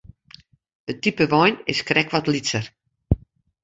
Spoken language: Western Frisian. It type wein is krekt wat lytser.